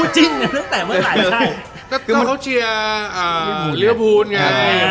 เจี้ยเขาเชียร์หรือภูนอ์ไง